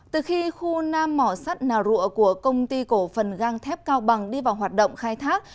từ khi khu nam mỏ sắt nào rụa của công ty cổ phần gang thép cao bằng đi vào hoạt động khai thác